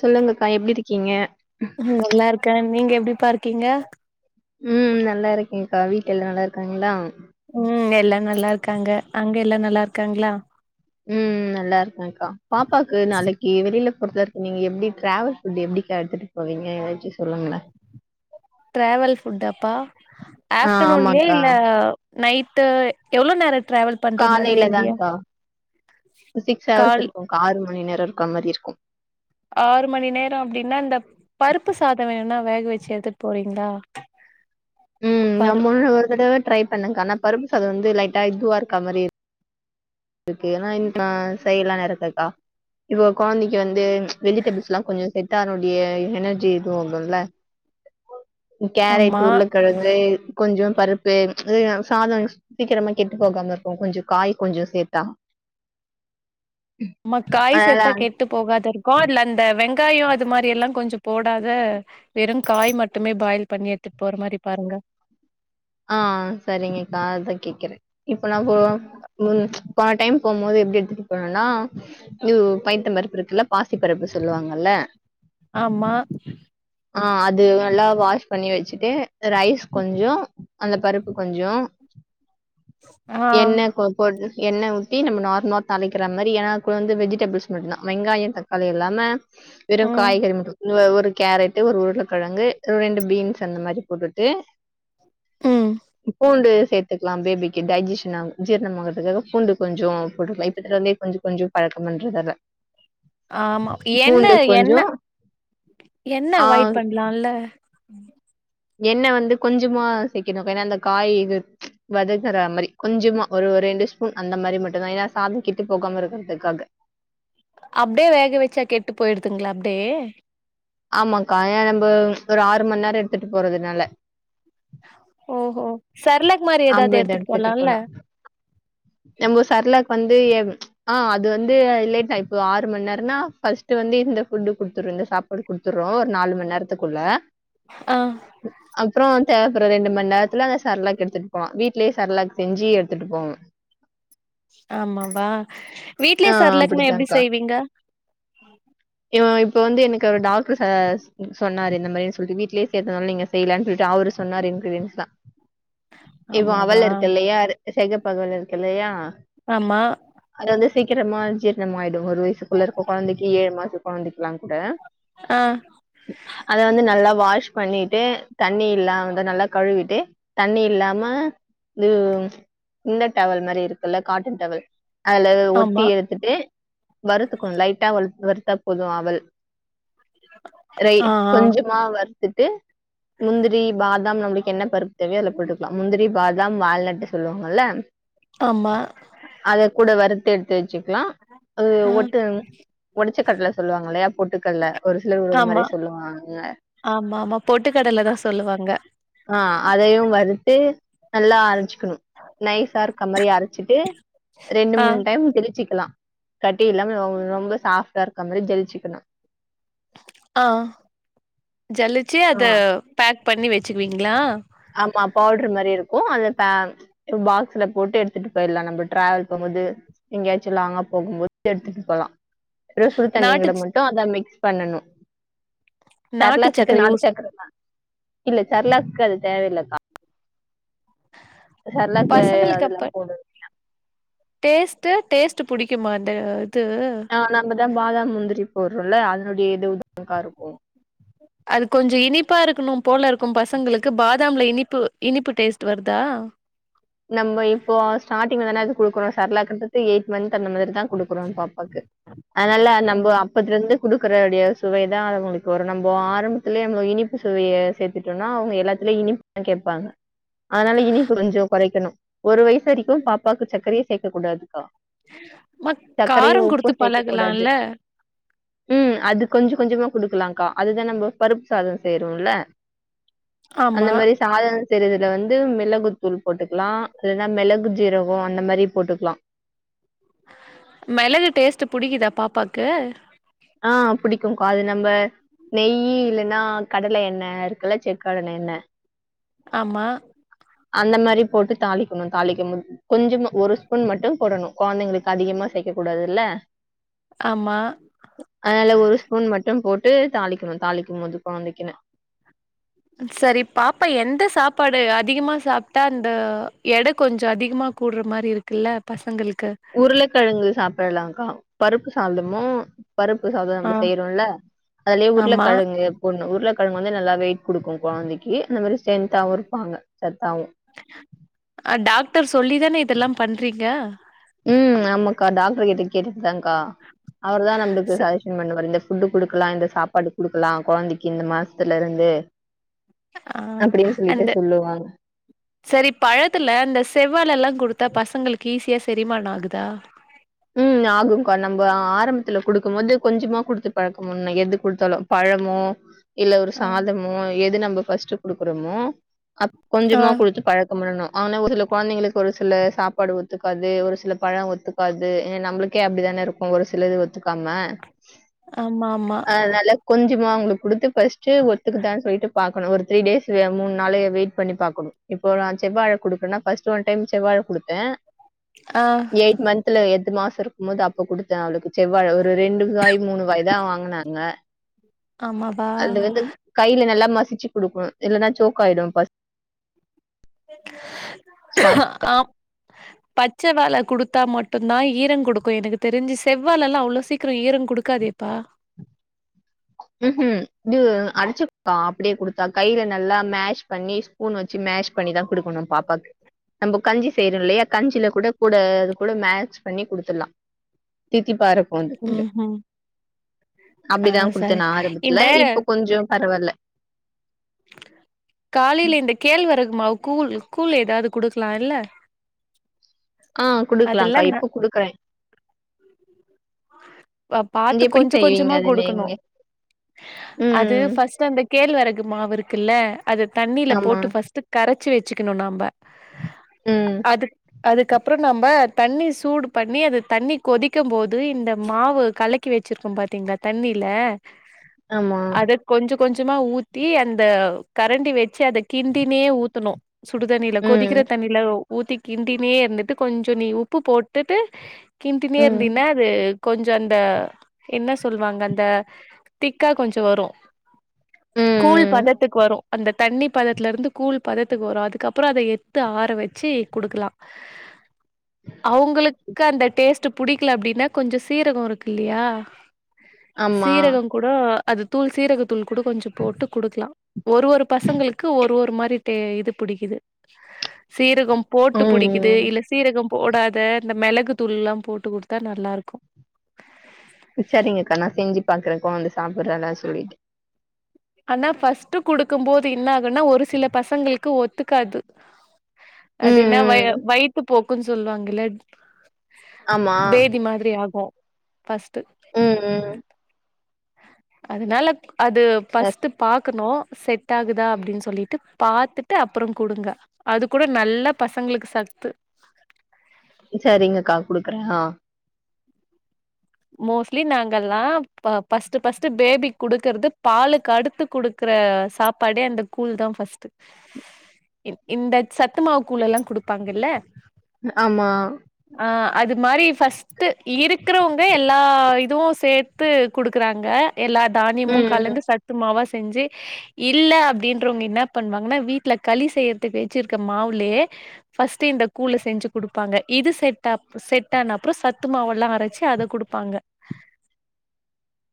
சொல்லுங்க அக்கா எப்டி இருக்கீங்க நல்லா இருக்கே நீங்க எப்டி பா இருக்கீங்க ம் நல்லா இருக்கேங்க்கா வீட்டு எல்லா நல்லா இருக்காங்களா ம் எல்லா நல்லா இருக்காங்க அங்க எல்லா நல்லா இருக்காங்களா ம் நல்லா இருக்கக்கா பாப்பாவுக்கு நாளைக்கு வெளில போறதா இருக்கு நீங்க எப்படி ட்ராவல் ஃபுட் எப்டிக்கா எடுத்து போவிங்க ஏதாச்சு சொல்லுங்களே ப்ராவல் ஃபுட்டாப்பா ஆ ஆஃப்டனூன்லய ஆமாக்கா. இல்ல நைட்டு் எவ்ளோ நேர ட்ராவல் காலைல தான்கா சிக்ஸ் ஹவர்ஸ் கால் இருக்குகா ஆறு மணி நேர இருக்கா மாரி இருக்கு ஆறு மணி நேர அப்டின்னா இந்த பருப்பு சாத வேணுனா வேக வச்சு எடுத்துட்டு போறீங்களா [inaudible] உம் பரு நம்மன்னு ஒரு தடவ ட்ரை பண்ணுங்க ஆனா பருப்பு சதா வந்து லைட்டா இதுவா இருக்க மாதிரி இரு இருக்கு ஏன்னா இன்னக்கி செய்ல்லா இருக்ககா இப்போ குழந்தைக்கு வந்து வெஜிடபிள்ஸ்ல்லா கொஞ்ச செட் ஆர எனர்ஜி எதுவு இல்லல கேரட் ஆமா உருளக்கிழங்க கொஞ்ச பருப்பு சாதம் சீக்கிரமா கெட்டு போகாம இருக்கும் கொஞ்சம் காய் கொஞ்சம் சேர்த்து ஆ நம்ம காய் சேத்தா கேட்டு போகாது இருக்கு இல்ல அந்த வெங்காயம் அது மாதிரி எல்லாம் கொஞ்சம் போடாத வெறும் காய் மட்டுமே பாயில் பண்ணி எடுத்துட்டு போற மாதிரி பாருங்க ஆ சரிங்கக்கா அதா கேக்குறேன் இப்ப நா போ போன டைம் போகும் போது எப்படி எடுத்துட்டு போனோனா இது பைத்த பருப்பு இருக்குல்ல பாசி பருப்பு சொல்லுவாங்கல்ல ஆமா ஆ அது நல்லா வாஷ் பண்ணி வச்சுட்டு ரைஸ் கொஞ்ச அந்த பருப்பு கொஞ்ச ஆ எண்ணெ கொ கொஞ்சோ எண்ணெ ஊத்தி நம்ம நார்மலா தளிக்கிற அந்த மாதிரி ஏன்னா கூட வந்து வெஜிடபிள்ஸ் மட்டும்தா வெங்காயம் தக்காளி இல்லாம வெறும் ம் காய்கறி மட்டும் ஒரு கேரட்டு ஒரு உருளக்கிழங்கு ஒரு ரெண்டு பீன்ஸ் அந்த மாதிரி போட்டுட்டு ம் பூண்டு சேர்த்துக்கலா பேபிக்கு டைஜஷன் ஆகும் ஜீரர்ணம்ங்கறதுக்காக பூண்டு கொஞ்சம் போட்டுக்கலா இப்பந்த இருந்தே கொஞ்ச கொஞ்சம் பழக்கம் பன்றறதல்ல [inaudible] ஆமா என்ன என்ன கொஞ்சோ என்ன ஆ அவாய்ட் பண்ணலாம்ல எண்ண வந்து கொஞ்சமா சேக்கணும் ஏன்னா அந்த காய் இது வதங்கற மாதிரி கொஞ்சமா ஒரு ரெண்டு ஸ்பூன் அந்த மாதிரி மட்டும்தா ஏன்னா சாத கேட்டு போகாம இருக்கிறதுக்காக அபடியே வேக வச்சா கெட்டு போயடுதுங்களா அபடியே ஆமாக்கா ஏ நம்ம ஒரு ஆறு ம நேரம் எடுத்துட்டு போறதுனால ஓ ஒ சரளகுமாரி ஏதாவது ஆம்புலன்ட் எடுத்துட்டு போலாம்ல போனா. நம்ம சரளாக்கு வந்து ஆ அது வந்து லேட்டா ஆ இப்ப ஆறு ம நேரம்னா ஃபர்ஸ்ட்ட் வந்து இந்த ஃபுட்டு் குடுத்துரு இந்த சாப்பா பாடு கொடுத்துடறோ ஒரு நாலு ம நேரத்துக்குள்ள ஆ அப்புறம் தேவைப்படுற ரெண்டு ம நேரத்துல அந்த சரலாக் எடுதுட்டு வீட்லயே சரளாகக்கு செஞ்சு எடுத்துட்டு போவோ ஆமாவா வீட்லயே ஆ சரலக்குன்ன எப்படி அப்படித்தான்க்கா. செய்வீங்க இப்ப வந்து எனக்கு ஒரு டாக்டர் சொன்னாரு இந்த மாதிரின்னு சொல்லிட்டு வீட்டுலேயே சேர்த்தனால நீங்க செய்யலானு சொல்லிட்டு அவரு சொன்னார் இன்கிரீன்ஸ்லா இவ அவள் ஆமாவா இருக்கு இல்லையா செகப்ப அவல் இருக்கு இல்லையா ஆமா அதாவது சீக்கிரமா ஜீர்ணம் ஆயிடும் ஒரு வயசுக்குள்ள இருக்கும் குழந்தைக்கு ஏழு மாச குழந்தைக்கலா கூட ஆ அத வந்து நல்லா வாஷ் பண்ணிட்டு தண்ணி இல்லா வந்து நல்லா கழுவிட்டு தண்ணி இல்லாம இ இந்த டவல் மாதிரி இருக்குல்ல காட்டன் டவல் அதுல ஒத்தி ஆமா எடுத்துட்டு வருறுத்துக்கணும் லைட்டா வருறுத்தா போதும் அவள் ரை ஆ ஆ கொஞ்சமா வ டுட்டு முந்திரி பாதாம் நம்மளுக்கு என்ன பருப்பு தேவையோ அதுல போட்டுக்கலா முந்திரி பாதாம் வாால்நட் சொல்லுவாங்கல்ல ஆமா அத கூட வறுத்த எடுத்து வச்சுக்கலா அது ஆ ஒட்டு ஒடச்ச கடல சொல்லுவாங்க இல்லையா பொட்டுக்கடல ஒரு சிலர் ஒரு ஒரு ஆமா மாதிரி சொல்லுவாங்க ஆமா ஆமா பொட்டுக்கடல தா சொல்லுவாங்க ஆ அதயு வறுத்து நல்லா அரஞ்சிக்கணும் நைசா இருக்கமாரி அரச்சிட்டு ரெண்டு ஆ மூணு டைம் திரிச்சிக்கலா கட்டி இல்லாம ரொம்ப சாஃப்டா இருக்க மாரி ஜலிச்சிக்கணு ஆ ஜலிச்சி ஆ, அத பேக் பண்ணி வச்சிக்குவீங்களா ஆமா பவுடரு மாரி இருக்கு அத பே பாக்ஸ்ல போட்டு எடுத்துட்டு போயிறலா நம்ம டிராவல் போம்போது எங்கேயாச்சு லாங்கா போகும்போது எடுத்துட்டு போலா அத சுடு தண்ணி நாட்டு கூட ச மட்டு அத மிக்ஸ் பண்ணனு நாட்டு ஷெர்லாக்கு சக்கர நாட்டு யூஸ் சக்கரதா இல்ல ஷெர்லாக்கு அது தேவயில்லக்கா ஷெர்லாக்கு அதெல்லா போடு டேஸ்ட் டேஸ்ட் புடிக்குமா அந்த இது ஆ நம்மதா பாதாம் முந்திரி போடுறோம்ல அதனுடைய இதுவுதாங்க்கா இருக்கு அது கொஞ்சோ இனிப்பா இருக்கணும் போல இருக்கு பசங்களுக்கு பாதாம்ல இனிப்பு இனிப்பு டேஸ்ட் வருதா நம்ம இப்போ ஸ்டார்டிங்ல தான அது குடுக்குறோ ஷெர்லாக்குன்றது எயிட்த் மந்த் அந்த மாதிரி தா குடுக்குறோ பாப்பாக்கு அதனால நம்ம அப்பத்துல இருந்து குடுக்கறடைய சுவைதா அவுங்களுக்கு வரு நம்ப ஆரம்பத்துலயே நம்ப இனிப்பு சுவையை சேர்த்துட்டோன்னா அவுங்க எல்லாத்துலயு இனிப் கேப்பாங்க அதனால இனிப்பு கொஞ்சோ குறைக்கணு ஒரு வயசு வரைக்கு பாப்பாவுக்கு சக்கரையே சேக்க கூடாதுக்கா மா சக்கரையு காரம் உப்பு குடுத்து சேக்க கூடாது பழகலால்ல ம் அது கொஞ்சோ கொஞ்சமா குடுக்கலாக்கா அதுதா நம்ம பருப்பு சாதோ செய்றோல்ல அந்த ஆமா மாரி சாதம் செய்றதுல வந்து மிளகுத்தூள் போட்டுக்கலா இல்லன்னா மெளகு ஜீரகம் அந்த மாரி போட்டுக்கலா மெளகு டேஸ்ட் பிடிக்குதா பாப்பாக்கு ஆ புடிக்குக்கா அது நம்ம நெய் இல்லன்னா கடல எண்ணெ இருக்குல்ல செக் கடல எண்ணெ ஆமா அந்த மாரி போட்டு தாளிக்கணு தாளிக்க மு கொஞ்சமா ஒரு ஸ்பூன் மட்டு போடணு கொழந்தைங்களுக்கு அதிகமா சேக்க கூடாதுல்ல ஆமா அதனால ஒரு ஸ்பூன் மட்டு போட்டு தாளிக்கணு தாளிக்கும் போது கொழந்தைக்குனு சரி பாப்பா எந்த சாப்பாடு அதிகமா சாப்ட்டா அந்த எடை கொஞ்ச அதிகமா கூட்ற மாரி இருக்குல்ல பசங்களுக்கு உருளக்கெழங்கு சாப்டலாங்கா பருப்பு சாதமு பருப்பு சாதம் ஆ நம்ம செய்றோல்ல அதுலயே ஆமா உருளக்கெழங்கு போடணு உருளக்கெழங்கு வந்து நல்லா வெயிட் குடுக்கு கொழந்தைக்கி அந்த மாரி ஸ்ட்ரென்த்தாவு இருப்பாங்க சத்தாவு ஆ டாக்டர் சொல்லிதான இதெல்லா பண்றீங்க ம் ஆமாக்கா டாக்டர் கிட்ட கேட்டுட்டுதாங்கா அவர்தா நம்மளுக்கு ச ஜசன் பண்ணுவார் இந்த ஃபுட்டு் குடுக்கலா இந்த சாப்பாடு குடுக்கலா கொழந்தைக்கி இந்த மாசத்துல இருந்து ஆ அப்டின்னு சொல்லிட்டு அந்த சொல்லுவாங்க சரி பழத்துல அந்த செவ்வாழ எல்லா குடுத்தா பசங்களுக்கு ஈஸியா செரிமானோ ஆகுதா ம் ஆகுங்க்கா நம்ப ஆரம்பத்துல குடுக்கும் போது கொஞ்சமா குடுத்து பழக்கோ பண்ணு எது குடுத்தாலு பழமோ இல்ல ஒரு ஆ சாதமோ எது நம்ம ஃபர்ஸ்ட் குடுக்றோமோ அப் கொஞ்சமா ஆ. குடுத்து பழக் பழக்கோ பண்ணனு ஆனா ஒரு சில கொழந்தைங்களுக்கு ஒரு சில சாப்பாடு ஒத்துக்காது ஒரு சில பழோ ஒத்துக்கா து நம்ளுக்கே அப்டிதான இருக்கு ஒரு சிலது ஒத்துக்காம ஆமா ஆமா அதுனால கொஞ்சமா அவங்ளுக்கு குடுத்து ஃபஸ்ட்டு ஒத்துக்குதான் சொல்லிட்டு பாக் கணு ஒரு த்ரீடேஸு மூன் நாளு வெயிட் பண்ணி பாக்கணு இப்போ நா செவ்வாழ குடுக்குறேனா ஃபர்ஸ்டு ஒன் டைம் செவ்வாழ குடுத்தே ஆ எய்ட் மந்த் துல எட்டு எது மாசோ இருக்கும் போது அப்ப குடுத்தே அவளுக்கு செவ்வாழ ஒரு ரெண்டு காய் மூணு காய் தா வாங்குனாங்க ஆமா அது வந்து கைல நல்லா மசிச்சு குடுக்கணு இல்லன்னா சோக்காயிடு பச ஸ்டார்ட் ஆ பச்ச வாழ குடுத்தா மட்டுந்தா ஈரங்குடுக்கு எனக்கு தெரிஞ்சு செவ்வாழல்லா அவ்ளோ சீக் கிரோ ஈரோங்குடுக்காதேப்பா ம் ஹூ இது அரச்சுக்கா அப்டியே குடுத்தா கையில நல்லா மேஷ் பண்ணி ஸ்பூன் வச் சி மேஷ் பண்ணிதா குடுக்கணு பாப்பாக்கு நம்போ கஞ்சி செய்றோ இல்லயா கஞ்சியில கூட கூட அது கூட மேட்ச் பண்ணி குடுத்துட்லா தித்திபா இருக்கு அது கொஞ்சோ ம் ம் ஆ அப்டிதா குடுத் சரி ஆரம்பத்துல இந்த இப்ப கொஞ்சோ பரவால்ல காலைல இந்த கேழ்வரகுமாவு கூழ் கூழ் ஏதாவ்து குடுக்லா இல்ல ஆ அதெல்லா குடுக்லாக்கா இப்போ குடுக்குறே ஆ பாத்து கொஞ்ச செய்வீங்க கொஞ்சமா அது குடுக்கணு நீங்க அது ம் ஃபர்ஸ்ட் அந்த கேழ்வரகு மாவு இருக்குல்ல அத தண்ணியில ஆமா போட்டு ஃபர்ஸ்ட்டு கரச்சி வச்சுக்கணு நம்ப ம் அது அதுக்கப்றோ நம்ம தண்ணி சூடு பண்ணி அது தண்ணி கொதிக்கும் போத் து இந்த மாவு கலக்கி வச்சிருக்கோம் பாத்தீங்ளா தண்ணில ஆமா. அத கொஞ்சோ கொஞ்சமா ஊத்தி அந்த கரண்டி வச்சு அத கிண்டினே ஊத்தனு சுடுதண்ணில ம். கொதிக்கிற தண்ணில ஊத்தி கிண்டினே இருந்துட்டு கொஞ்ச நீ உப்பு போட்டுட்டு கிண்டினே ம். இருந்தேனா கொஞ்சோ அந்த என்ன சொல்லுவாங்க அந்த திக்கா கொஞ்சோ வரு ம். கூழ் ம். பதத்துக்கு வரு அந்த தண்ணி பதத்துல இருந்து கூழ் பதத்துக்கு வரு அதுக்கப்றோ அத எ து ஆற வச்சு குடுக்கலா அவங்களுக்கு அந்த டேஸ்ட் புடிக்கல அப்டின்னா கொஞ்சோ சீரகோ இருக்கு இல்லையா ஆமா. சீரகோ கூட அது தூள் சீரகத் தூள் கூட கொஞ்சோ போட்டு குடுக்லா ஒரு ஒரு பசங்களுக்கு ஒரு ஒரு மாரி டு இது புடிக்குது சீரகம் போட்டு புடிக்குது ம். இல்ல சீரகம் போடாத இந்த மிளகு தூள்லா போட்டு குடுத்தா நல்லா இருக் சரிங்கக்கா நா செஞ்சு பாக்குறே கொழந்த சாப்பிட்றாலா சொல்லிட்டு ஆனா ஃபஸ்ட்டு குடுக்கும் போது என்ன ஆகுன்னா ஒரு சில பசங்களுக்கு ஒத்துக்காது ம். அது என்ன வய ம். வைத்து போக்குன் சொல்லுவாங்கல்ல ஆமா. பேதி மாதிரி ஆகு பஸ்ட்டு ம். ம். அதனால அது சர் பஸ்ட்டு பார் க்கணு செட் ஆகுதா அப்படின்னு சொல்லிட்டு பாத்துட்டு அப்புறோ கொடுங்க அது கூட நல்லா பசங்களுக்கு சத்து சரிங்கக்கா குடுக்குறே ஆ மோஸ்ட்லி நாங்கல்லா பஸ்ட் பஸ்ட்டு பேபி குடுக்கறது பாலுக்கு அடுத்து குடு குடுக்கிற சாப்பாடே அந்த கூழ் தா ஃபர்ஸ்ட்டு இந்த சத்துமாவு கூழ் எல்லா குடுப்பாங்கில்ல ஆமா ஆ அது மாரி ஃபர்ஸ்ட்டு இருக்கிறவங்க எல்லா இதுவு சேர்த்து குடுக்கறாங்க எல்லா தானியமு ம். ம். கலந்து சத் சத்துமாவ செஞ்சு இல்ல அப்படின்றவங்க என்ன பண்ணுவாங்கன்னா வீட்ல களி செய்யறது பே வச்சிருக்க மாவுலேயே பர்ஸ்ட் இந்த கூழ்ல செஞ்சு கொடுப்பாங்க இது செ செட் ஆன அப்புறோ சத்து மாவுல்லா அரைச்சு அத குடுப்பாங்க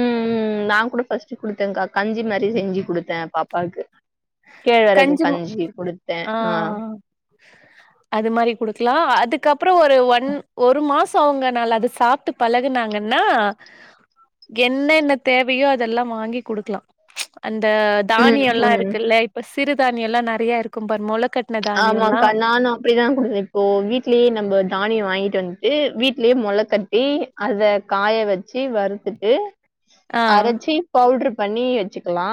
உம் நா கூட ஃபர்ஸ்ட்டு கொடுத்தேன்கா கஞ்சி மாரி செஞ்சு கொடுத்தே பாப்பாவுக்கு கேழ்வரகு கஞ்சி கொடுத்தே ஆ அது மாதிரி குடுக்கலா அதுக்கப்புறோ ஒரு ஒன் ஒரு மாசோ அகுங்க நல் அத சாப்பிட்டு பழகுனாங்கன்னா என்னென்ன தேவையோ அதெல்லா வாங்கி குடுக்கலா அந்த ம். தானியம்ல்லா ம். இருக்குல்ல இப்ப சிறுதானியோ எல்லா நெறைய இருக்கும் பாரு மொளக்கட்டினது ஆமாக்கா நானு அப்படிதா குடுக்குர தோழி இப்போ வீட்லேயே நம்ம தானியோ வாங்கிட்டு வந்துட்டு வீட்லேயே மொள கட்டி அத காய வச்சு வறுத்துட்டு ஆ அரைச்சி பவுட்டரு பண்ணி வச்சுக்கலா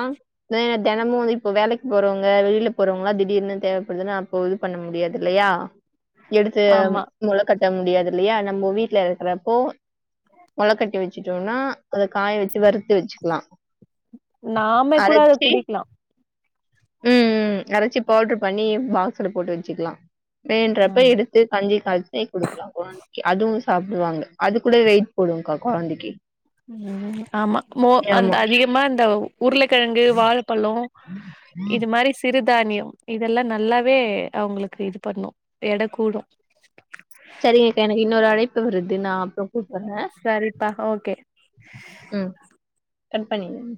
ஆ தெனமு வந்து இப்போ வேலைக்கு போறவங்க வெளியில போறவங்களா திடீர்னு தேவை அதுனா அப்போ இது பண்ண முடியாது இல்லையா எடுத்து ஆமா மொள கட்ட முடியாது இல்லையா நம்ம வீட்டுல இருக்கிறப்போ முளைக்கட்டி வச்சுட்டோம்னா அதை காய வெச்சு வறுத்து வெச்சுக்கலா நாமே கூட அத குடிக்கலா உம் ம் அரைச்சி பவுட்ரு பண்ணி பாக்சுல போட்டு வச்சுக்கலா வேணுன்றப்ப ஆம் எடுத்து எடுத்து கஞ்சி காய்ச்சி குடுக்கலா கொழந் அதுவு சாப்பிடுவாங்க அது கூட வெயிட் போடுங்கா கொழந்தைக்கு உம் ஆமா மோ அந்த ஆமா. அதிகமா இந்தந்த உருளைக்கெழங்கு வாழப்பழோ இது மாரி செய் சிறுதானியோ இதெல்லா நல்லாவே அவங்களுக்கு இது பண்ணு எட கூடு சரிங்கக்கா எனக்கின்னொரு அழைப்பு வருது நா அப்புற சரிப்பா ஓக்கே ம் கட் பண்ணிருங்க